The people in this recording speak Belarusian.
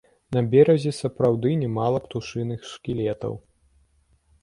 На беразе сапраўды нямала птушыных шкілетаў.